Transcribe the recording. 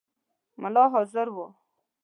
مُلا حاضر وو.